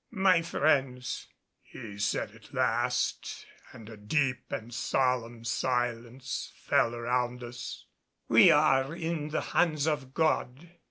"My friends," he said at last, and a deep and solemn silence fell around us, "we are in the hands of God.